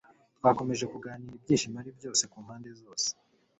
Twakomeje kuganira ibyishimo ari byose kumpande zose